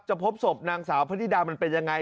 พบศพนางสาวพระนิดามันเป็นยังไง